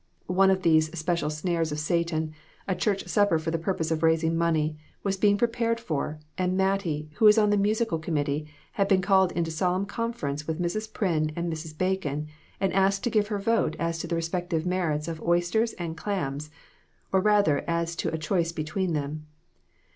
One of those special snares of Satan a church supper for the purpose of raising money was being prepared for, and Mattie, who was on the musical commit tee, had been called into solemn conference with Mrs. Pryn and Mrs. Bacon, and asked to give her vote as to the respective merits of oysters and clams, or rather as to a choice between them.